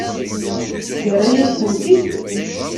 Yerra-yak-tent-id?